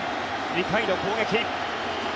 ２回の攻撃。